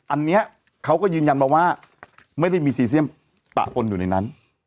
อันนี้เขาก็ยืนยันมาว่าไม่ได้มีซีเซียมปะปนอยู่ในนั้น